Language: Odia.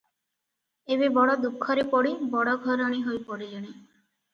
ଏବେ ବଡ଼ ଦୁଃଖରେ ପଡି ବଡ଼ ଘରଣୀ ହୋଇ ପଡ଼ିଲେଣି ।